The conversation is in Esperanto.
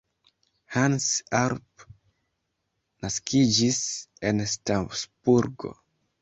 Hans Arp naskiĝis en Strasburgo.